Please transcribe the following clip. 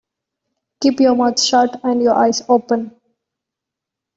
Keep your mouth shut and your eyes open.